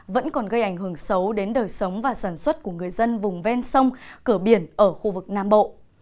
vẫn còn gây ảnh hưởng xấu đến đời sống và sản xuất của người dân vùng ven sông cửa biển ở khu vực nam bộ